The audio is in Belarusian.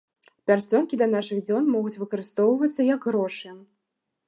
Пярсцёнкі да нашых дзён могуць выкарыстоўвацца як грошы.